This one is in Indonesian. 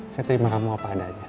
saya terima kamu apa adanya